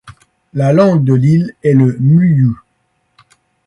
La langue de l'île est le muyuw.